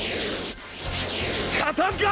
勝たんか！！